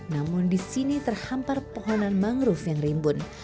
namun di sini terhampar pohonan mangrove yang rimbun